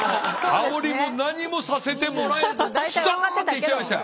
あおりも何もさせてもらえずストンっていっちゃいましたよ。